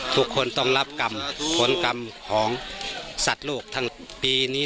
ทุกคนต้องรับกรรมผลกรรมของสัตว์โลกทั้งปีนี้